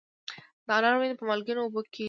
د انارو ونې په مالګینو اوبو کیږي؟